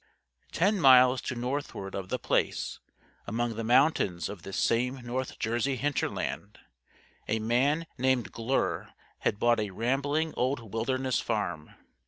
Ten miles to northward of The Place, among the mountains of this same North Jersey hinterland, a man named Glure had bought a rambling old wilderness farm.